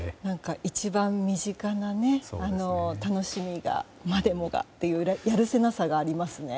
一番身近な楽しみまでもがというやるせなさがありますね。